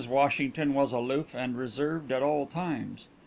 Washington was aloof and reserved at all times.